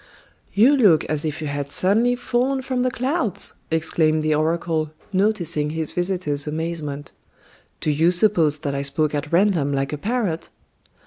"You look as if you had suddenly fallen from the clouds," exclaimed the oracle, noticing his visitor's amazement. "Do you suppose that I spoke at random like a parrot?"